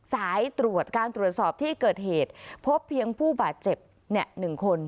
สายตรวจการตรวจสอบที่เกิดเหตุพบเพียงผู้บาดเจ็บ๑คน